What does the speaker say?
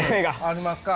ありますか。